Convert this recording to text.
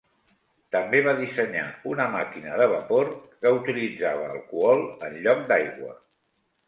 També va dissenyar una màquina de vapor que utilitzava alcohol en lloc d'aigua.